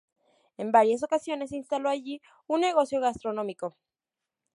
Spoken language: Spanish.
En varias ocasiones se instaló allí un negocio gastronómico.